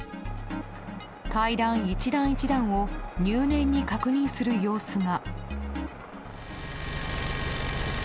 階段１段１段を入念に確認する様子が。